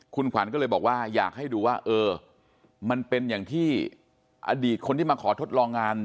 คุณขวัญก็เลยบอกว่าอยากให้ดูว่าเออมันเป็นอย่างที่อดีตคนที่มาขอทดลองงาน